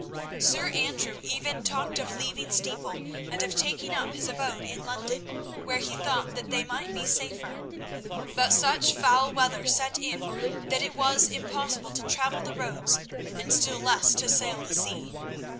Sir Andrew even talked of leaving Steeple and of taking up his abode in London, where he thought that they might be safer, but such foul weather set in that it was impossible to travel the roads, and still less to sail the sea.